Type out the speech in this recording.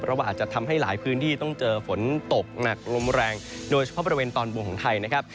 เพราะว่าอาจจะทำให้หลายพื้นที่ต้องเจอฝนตกหนักลมแรงโดยเฉพาะบริเวณตอนบนของไทยนะครับ